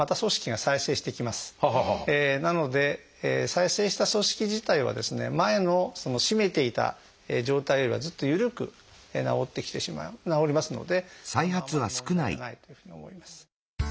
なので再生した組織自体はですね前の締めていた状態よりはずっと緩く治りますのであまり問題がないというふうに思います。